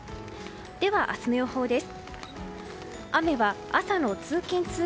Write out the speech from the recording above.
では、明日の予報です。